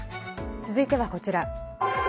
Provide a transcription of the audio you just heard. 続いてはこちら。